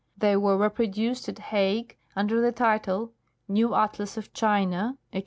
They were reproduced at Hague under the title ' New Atlas of China,' etc.